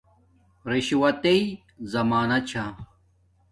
رشوتئ ذمانا چھا